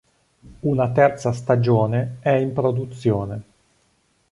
Una terza stagione è in produzione.